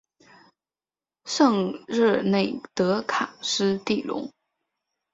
圣热内德卡斯蒂隆。